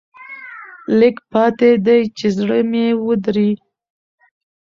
لېږ پاتې دي چې زړه مې ودري.